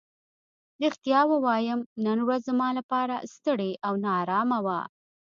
رښتیا ووایم نن ورځ زما لپاره ستړې او نا ارامه وه.